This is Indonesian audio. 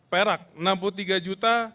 perak enam puluh tiga juta